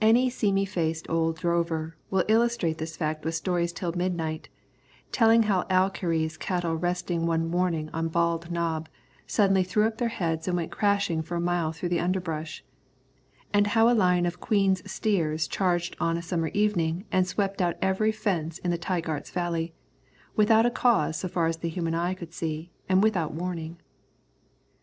Any seamy faced old drover will illustrate this fact with stories till midnight, telling how Alkire's cattle resting one morning on Bald Knob suddenly threw up their heads and went crashing for a mile through the underbrush; and how a line of Queen's steers charged on a summer evening and swept out every fence in the Tygart's valley, without a cause so far as the human eye could see and without a warning.